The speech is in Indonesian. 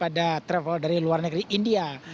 yang sudah terhubung kepada travel dari luar negeri india